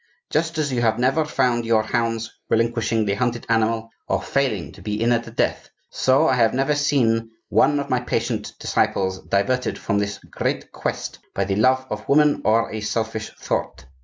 Just as you have never found your hounds relinquishing the hunted animal or failing to be in at the death, so I have never seen one of my patient disciples diverted from this great quest by the love of woman or a selfish thought.